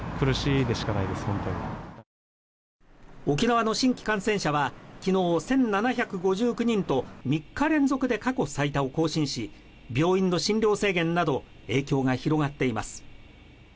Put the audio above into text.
沖縄の新規感染者は昨日、１７５９人と３日連続で過去最多を更新し、病院の診療制限など影響が広がっています。